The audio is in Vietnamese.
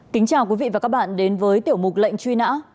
kính chào quý vị và các bạn đến với tiểu mục lệnh truy nã